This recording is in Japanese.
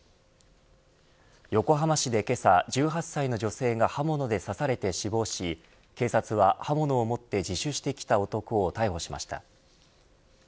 横浜市でけさ１８歳の女性が刃物で刺されて死亡し警察は刃物を持って自首してきた男を逮捕しました。